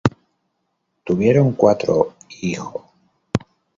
Tuvieron cuatro hijo.